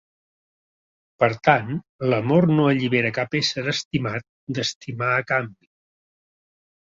Per tant, l'amor no allibera cap ésser estimat, d'estimar a canvi.